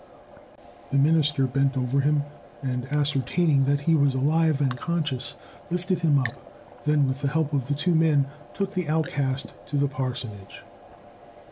The minister bent over him, and, ascertaining that he was alive and conscious, lifted him up; then, with the help of the two men, took the outcast to the parsonage.